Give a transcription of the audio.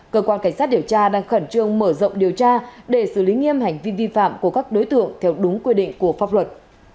cơ quan cảnh sát điều tra đang khẩn trương mở rộng điều tra để xử lý nghiêm hành vi vi phạm của các đối tượng theo đúng quy định của pháp luật